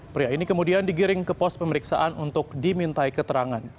pria ini kemudian digiring ke pos pemeriksaan untuk dimintai keterangan